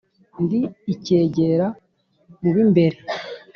ndi icyegera mu b'imbere,